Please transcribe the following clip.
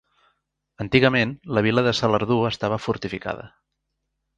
Antigament la vila de Salardú estava fortificada.